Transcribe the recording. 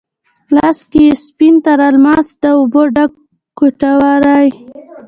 لاس کې یې سپین تر الماس، د اوبو ډک کټوری،